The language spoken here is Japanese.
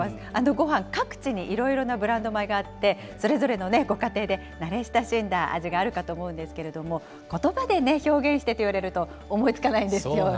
ごはん、各地にいろんなブランド米があって、それぞれのご家庭で慣れ親しんだ味があるかと思うんですけれども、ことばでね、表現してといわれると思いつかないんですよね。